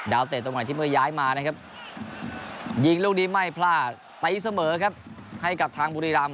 เตะตรงไหนที่เมื่อย้ายมานะครับยิงลูกนี้ไม่พลาดตีเสมอครับให้กับทางบุรีรำ